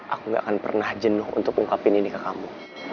aku gak akan pernah jenuh untuk mengungkapkan ini ke kamu